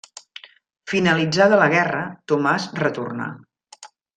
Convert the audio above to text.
Finalitzada la guerra, Tomàs retornà.